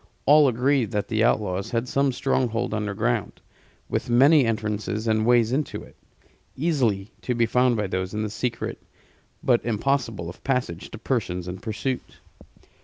All agreed that the outlaws had some stronghold underground, with many entrances and ways into it; easily to be found by those in the secret, but impossible of passage to persons in pursuit.